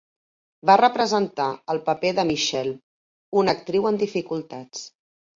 Va representar el paper de Michelle, una actriu en dificultats.